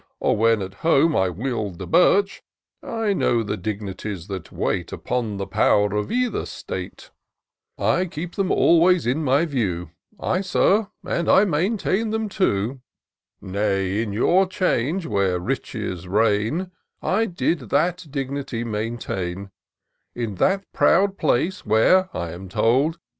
Or when at home I wield the birch, I know the dignities that wait Upon the power of either state ; I keep them always in my view — Ay, Sir, and I maintain them too : Nay, in your 'Change, where riches reign, I did that dignity maintain ; In that proud place, where, I am told.